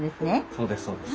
そうですそうです。